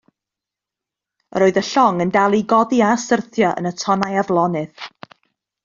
Yr oedd y llong yn dal i godi a syrthio yn y tonnau aflonydd.